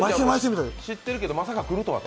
知ってるけど、まさか来るとは。